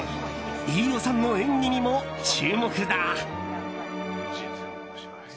飯尾さんの演技にも注目だ。